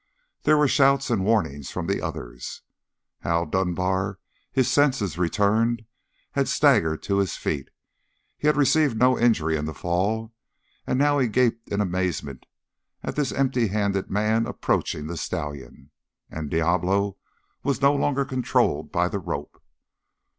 There were shouts and warnings from the others. Hal Dunbar, his senses returned, had staggered to his feet; he had received no injury in the fall, and now he gaped in amazement at this empty handed man approaching the stallion. And Diablo was no longer controlled by the rope!